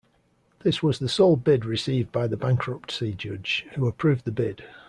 This was the sole bid received by the bankruptcy judge, who approved the bid.